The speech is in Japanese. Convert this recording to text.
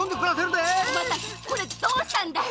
お前さんこれどうしたんだい